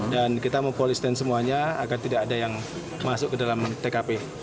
dan kita mempolisten semuanya agar tidak ada yang masuk ke dalam pkp